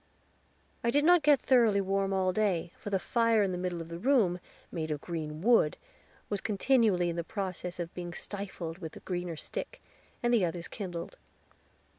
I did not get thoroughly warm all day, for the fire in the middle room, made of green wood, was continually in the process of being stifled with a greener stick, as the others kindled.